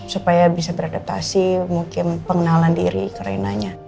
supaya bisa beradaptasi mungkin pengenalan diri ke renanya